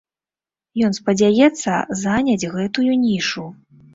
Ён спадзяецца заняць гэтую нішу.